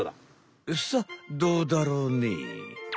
さっどうだろうね？